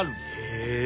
へえ！